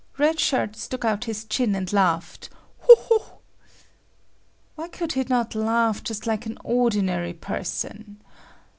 Red Shirt stuck out his chin and laughed "ho, ho." Why could he not laugh just like an ordinary person?